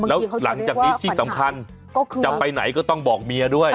แล้วหลังจากนี้ที่สำคัญจะไปไหนก็ต้องบอกเมียด้วย